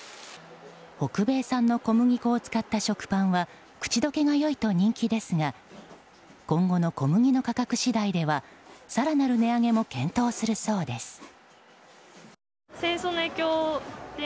北米産の小麦粉を使った食パンは口溶けが良いと人気ですが今後の小麦の価格次第では更なる値上げも検討するそうです。